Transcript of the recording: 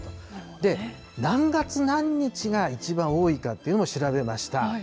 で、何月何日が一番多いかっていうのも調べました。